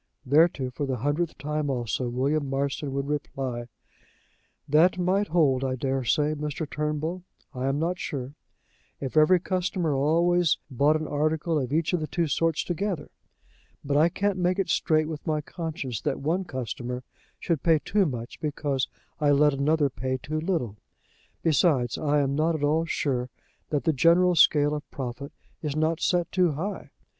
Thereto, for the hundredth time also, William Marston would reply: "That might hold, I daresay, Mr. Turnbull I am not sure if every customer always bought an article of each of the two sorts together; but I can't make it straight with my conscience that one customer should pay too much because I let another pay too little. Besides, I am not at all sure that the general scale of profit is not set too high.